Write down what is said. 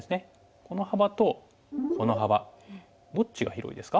この幅とこの幅どっちが広いですか？